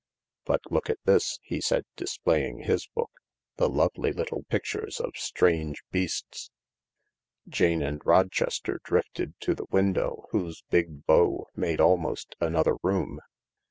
"But look at this," he said, displaying his book— "the lovely little pictures of strange beasts." f *■» l Jane and Rochester drifted to the window, whose big bow made almost another room.